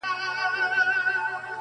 چي طوطي ګنجي ته وکتل ګویا سو؛